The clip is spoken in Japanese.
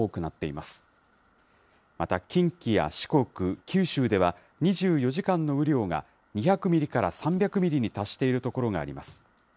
また近畿や四国、九州では、２４時間の雨量が２００ミリから３００ミリに達している所があります。